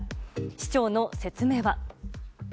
市長の説明は。